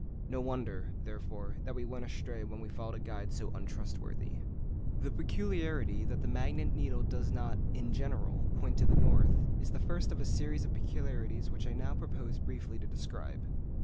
No wonder, therefore, that we went astray when we followed a guide so untrustworthy. The peculiarity that the magnet needle does not, in general, point to the north, is the first of a series of peculiarities which I now propose briefly to describe.